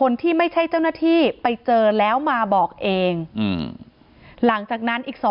คนที่ไม่ใช่เจ้าหน้าที่ไปเจอแล้วมาบอกเองหลังจากนั้นอีก๒